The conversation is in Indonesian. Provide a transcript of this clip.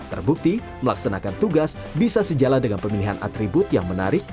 terbukti melaksanakan tugas bisa sejalan dengan pemilihan atribut yang menarik